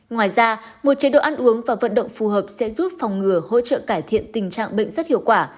ngoài ra một chế độ ăn uống và vận động phù hợp sẽ giúp phòng ngừa hỗ trợ cải thiện tình trạng bệnh rất hiệu quả